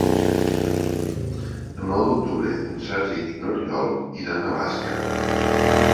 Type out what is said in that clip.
El nou d'octubre en Sergi i n'Oriol iran a Bàscara.